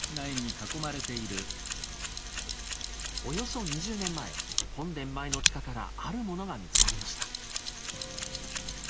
およそ２０年前本殿前の地下からあるものが見つかりました。